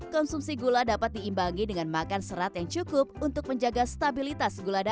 konsumsi gula dapat diimbangi dengan makan serat yang cukup untuk menjaga stabilitas gula darah